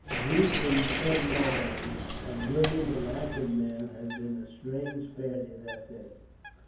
Ziethen, ordinarily a brilliant and active man, had been a strange failure that day.